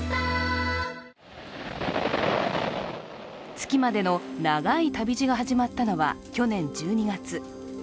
月までの長い旅路が始まったのは去年１２月。